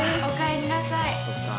おかえりなさい。